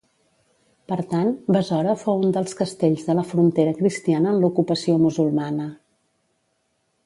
Per tant, Besora fou un dels castells de la frontera cristiana en l'ocupació musulmana.